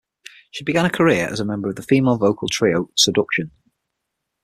She began her career as a member of the female vocal trio Seduction.